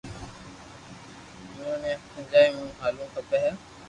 اپو ني سچائي مون ھالووُ کپي ھين